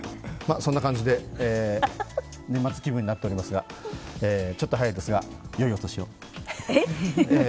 そんな感じで年末気分になっておりますがちょっと早いですが、よいお年を。